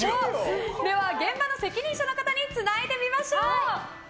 では現場の責任者の方につないでみましょう。